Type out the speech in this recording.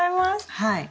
はい。